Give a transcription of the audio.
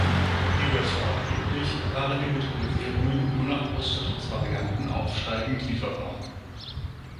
Wie bei Ford üblich, waren die Motorisierungen nur nach Ausstattungsvarianten aufsteigend lieferbar.